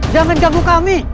jangan ganggu kami